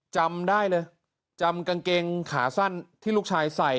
จำได้เลยจำกางเกงขาสั้นที่ลูกชายใส่